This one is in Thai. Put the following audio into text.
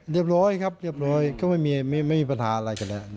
เรียบร้อยครับเรียบร้อยก็ไม่มีปัญหาอะไรกันแล้ว